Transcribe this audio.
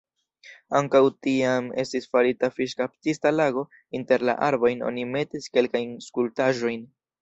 Ankaŭ tiam estis farita fiŝkaptista lago, inter la arbojn oni metis kelkajn skulptaĵojn.